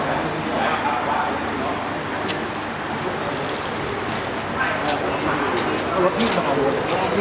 ขอให้มาไม่ทันทีนะครับ